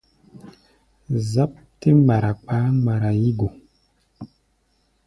Záp tɛ́ mgbara kpaá mgbara yí go.